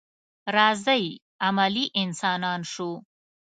راځئ عملي انسانان شو.